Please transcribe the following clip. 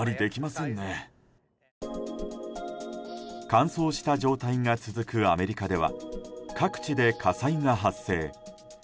乾燥した状態が続くアメリカでは各地で火災が発生。